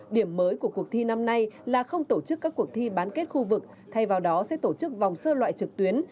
điểm mới của cuộc thi năm nay là không tổ chức các cuộc thi bán kết khu vực thay vào đó sẽ tổ chức vòng sơ loại trực tuyến